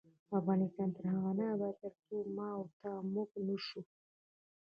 افغانستان تر هغو نه ابادیږي، ترڅو ما او تا "موږ" نشو.